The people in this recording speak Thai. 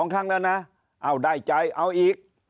ครั้งแล้วนะเอาได้ใจเอาอีก